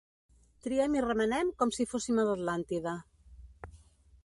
Triem i remenem com si fóssim a l'Atlàntida.